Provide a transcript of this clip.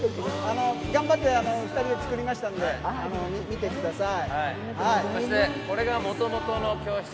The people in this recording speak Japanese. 頑張って２人で作りましたんで、見てください。